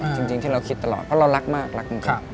จริงที่เราคิดตลอดเพราะเรารักมากรักกันกัน